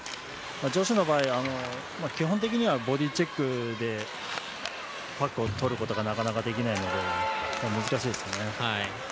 女子の場合、基本的にはボディーチェックでパックをとることがなかなかできないので難しいです。